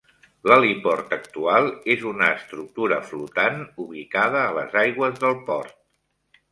L'heliport actual és una estructura flotant ubicada a les aigües del port.